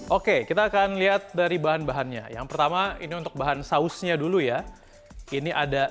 oke kita akan lihat dari bahan bahannya yang pertama ini untuk bahan sausnya dulu ya ini ada